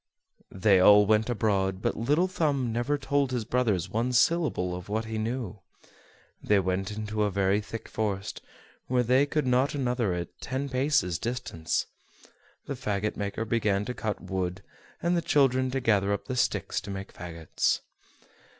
They all went abroad, but Little Thumb never told his brothers one syllable of what he knew. They went into a very thick forest, where they could not see one another at ten paces distance. The fagot maker began to cut wood, and the children to gather up the sticks to make fagots.